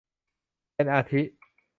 เป็นอาทิ